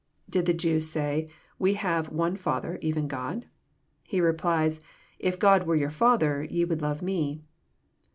— ^Did the Jews say, "We have one Father, even God"? He replies, " If God were your Father ye would love Me."